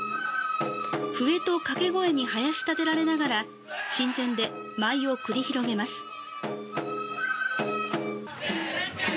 笛とかけ声にはやしたてられながら神前で舞を繰り広げます。